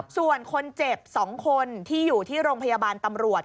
ส่วนคนเจ็บ๒คนที่อยู่ที่โรงพยาบาลตำรวจ